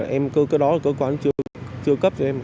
em cứ cái đó cơ quan chưa cấp cho em